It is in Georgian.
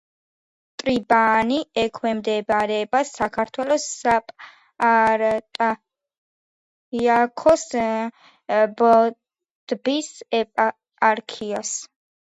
ტიბაანი ექვემდებარება საქართველოს საპატრიარქოს ბოდბის ეპარქიას.